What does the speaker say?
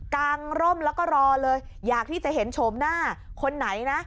กางร่มแล้วก็รอเลยอยากที่จะเห็นโฉมหน้าคนไหนนะ